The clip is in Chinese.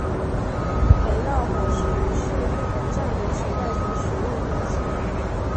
焙烙火矢是日本战国时代所使用兵器。